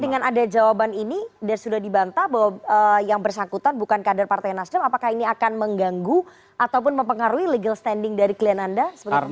dengan ada jawaban ini dan sudah dibantah bahwa yang bersangkutan bukan kader partai nasdem apakah ini akan mengganggu ataupun mempengaruhi legal standing dari klien anda